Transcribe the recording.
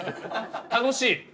楽しい？